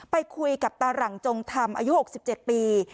ไปคุยกับตาหลังจงธรรมอายุ๖๗ปี